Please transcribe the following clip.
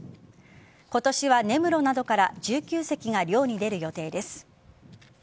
今年は根室などから１９隻が漁に出る予定です。